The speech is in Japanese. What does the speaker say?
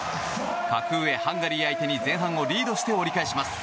格上ハンガリー相手に前半をリードして折り返します。